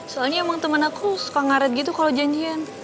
soalnya emang temen aku suka ngaret gitu kalau janjian